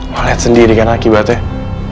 lo liat sendiri kan akibatnya